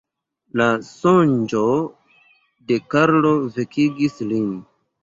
La sonĝo de Karlo vekigis lin.